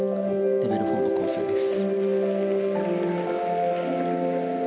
レベル４の構成です。